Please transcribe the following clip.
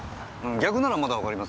逆ならまだわかりますよ。